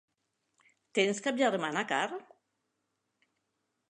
Tens cap germana, Carr?